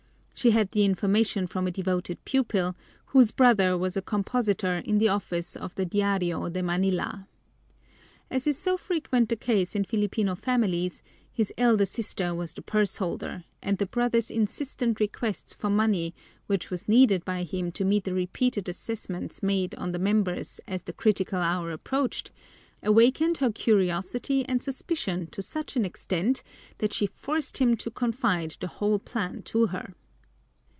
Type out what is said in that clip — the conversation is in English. She had the information from a devoted pupil, whose brother was a compositor in the office of the Diario de Manila. As is so frequently the case in Filipino families, this elder sister was the purse holder, and the brother's insistent requests for money, which was needed by him to meet the repeated assessments made on the members as the critical hour approached, awakened her curiosity and suspicion to such an extent that she forced him to confide the whole plan to her.